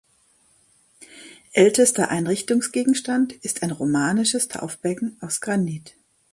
Ältester Einrichtungsgegenstand ist ein romanisches Taufbecken aus Granit.